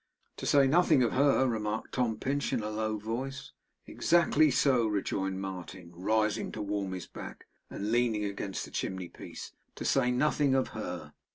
'To say nothing of her,' remarked Tom Pinch, in a low voice. 'Exactly so,' rejoined Martin, rising to warm his back, and leaning against the chimney piece. 'To say nothing of her.